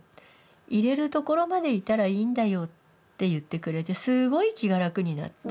いれるところまでいたらいいんだよ」って言ってくれてすごい気が楽になって。